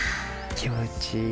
気持ちいい。